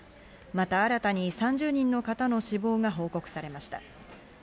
また新たに３０人の方の死亡が報告されました。